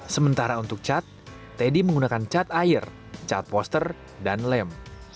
sementara untuk cat teddy menggunakan cat air cat poster dan lem